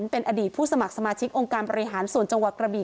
เป็นอดีตผู้สมัครสมาชิกองค์การบริหารส่วนจังหวัดกระบี